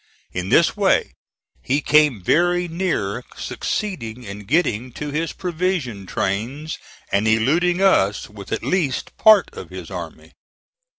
In this way he came very near succeeding in getting to his provision trains and eluding us with at least part of his army.